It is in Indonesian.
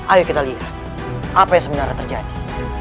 ayo kita lihat apa yang sebenarnya terjadi